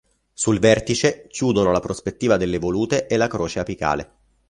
Sul vertice chiudono la prospettiva delle volute e la croce apicale.